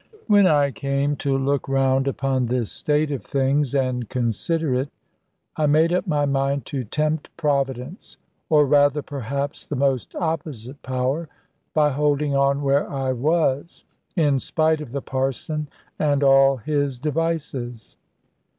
When I came to look round upon this state of things, and consider it, I made up my mind to tempt Providence, or rather perhaps the most opposite Power, by holding on where I was, in spite of the Parson and all his devices.